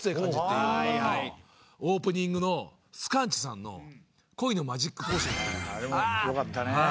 オープニングのすかんちさんの『恋のマジックポーション』って。よかったね。